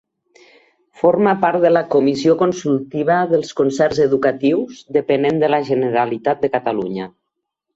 Forma part de la Comissió Consultiva dels Concerts Educatius depenent de la Generalitat de Catalunya.